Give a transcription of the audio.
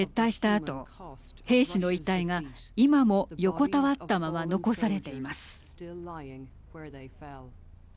あと兵士の遺体が今も横たわったまま残されています。